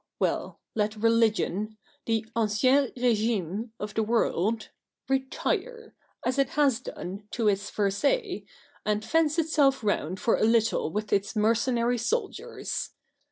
Well, let religion — the ancien regime of the world — retire, as it has done, to its Versailles, and fence itself round for a little with its mercenary soldiers